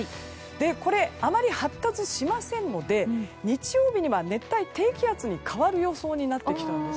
これ、あまり発達しませんので日曜日には熱帯低気圧に変わる予想になってきたんです。